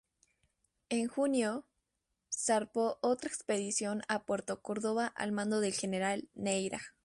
En junio, zarpó otra expedición a Puerto Córdoba al mando del general Neyra.